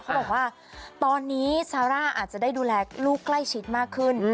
เขาบอกว่าตอนนี้ซาร่าอาจจะได้ดูแลลูกใกล้ชิดมากขึ้น